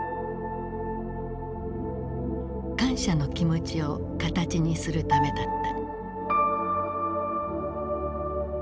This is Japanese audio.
感謝の気持ちを形にするためだった。